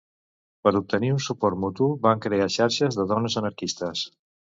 Per obtenir un suport mutu, van crear xarxes de dones anarquistes.